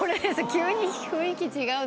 急に雰囲気違う